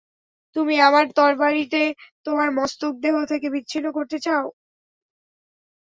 তুমি আমার তরবারিতে তোমার মস্তক দেহ থেকে বিচ্ছিন্ন করতে চাও?